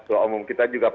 ketua umum kita juga bijak